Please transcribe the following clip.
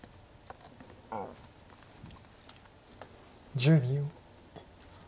１０秒。